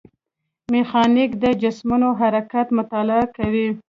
میخانیک د جسمونو حرکت مطالعه کوي.